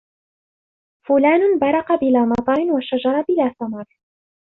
فلان برق بلا مطر وشجر بلا ثمر